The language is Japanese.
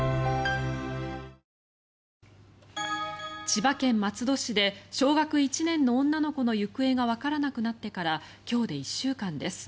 千葉県松戸市で小学１年の女の子の行方がわからなくなってから今日で１週間です。